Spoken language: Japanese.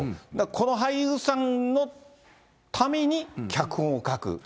この俳優さんのために脚本を書く。